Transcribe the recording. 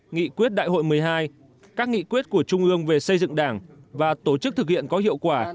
nghị quyết đại hội một mươi hai các nghị quyết của trung ương về xây dựng đảng và tổ chức thực hiện có hiệu quả